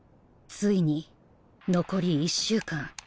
ついに残り１週間。